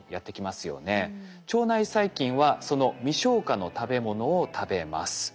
腸内細菌はその未消化の食べものを食べます。